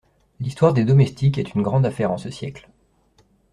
L'histoire des domestiques est une grande affaire en ce siècle.